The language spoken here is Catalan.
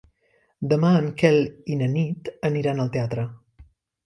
Demà en Quel i na Nit aniran al teatre.